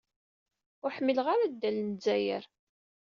Ur ḥmileɣ ara addal n lezzayer.